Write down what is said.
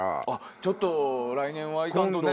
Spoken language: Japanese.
ちょっと来年は行かんとね。